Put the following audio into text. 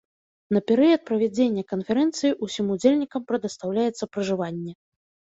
На перыяд правядзення канферэнцыі усім удзельнікам прадастаўляецца пражыванне.